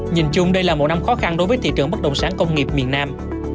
nhìn chung đây là một năm khó khăn đối với thị trường bất động sản công nghiệp miền nam